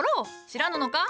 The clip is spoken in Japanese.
知らぬのか？